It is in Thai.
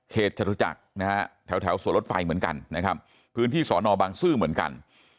เขตจตุจักรแถวสวนรถไฟเหมือนกันพื้นที่สอนอบังซื้อเหมือนกัน